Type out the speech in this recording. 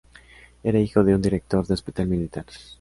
Era hijo de un director de hospital militar.